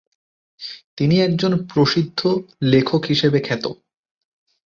তিনি একজন প্রসিদ্ধ লেখক হিসাবে খ্যাত।